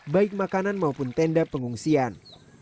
baik makanan maupun tenda pengungsian